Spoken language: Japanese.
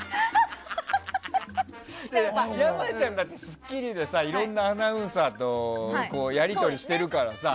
山ちゃんだって「スッキリ」でいろいろなアナウンサーとやりとりしてるからさ。